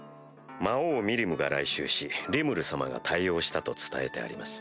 魔王ミリムが来襲しリムル様が対応したと伝えてあります。